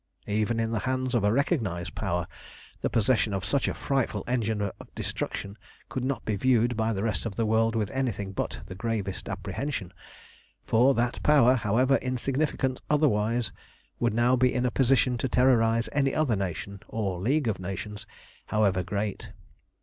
Even in the hands of a recognised Power, the possession of such a frightful engine of destruction could not be viewed by the rest of the world with anything but the gravest apprehension, for that Power, however insignificant otherwise, would now be in a position to terrorise any other nation, or league of nations, however great.